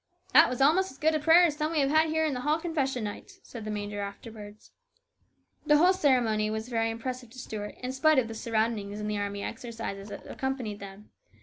" That was almost as good a prayer as some we have here in the hall confession nights," said the major afterwards. The whole ceremony was very impressive to Stuart, in spite of the surroundings and AN ORATOR. 288 the army exercises that accompanied them.